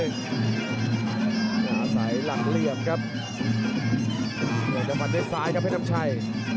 สายหลังเรียบครับมันได้ซ้ายครับเพชรน้ำชัย